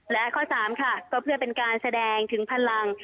และข้อ๓ค่ะก็เพื่อเป็นการแสดงถึงพลัง